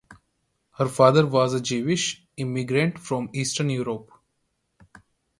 Her father was a Jewish immigrant from Eastern Europe.